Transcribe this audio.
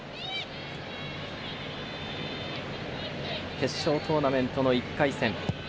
決勝トーナメントの１回戦。